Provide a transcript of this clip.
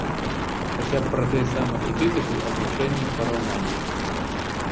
Хаця б пра тыя самыя эпітэты, азначэнні, параўнанні.